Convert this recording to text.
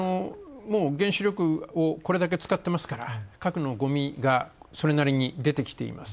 もう原子力をこれだけ使ってますから、核のごみがそれなりに出てきています。